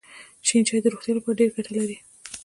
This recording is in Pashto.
شین چای د روغتیا لپاره ډېره ګټه لري.